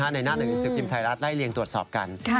ในหน้าหนึ่งศิลปินไทยรัฐได้เรียงตรวจสอบกัน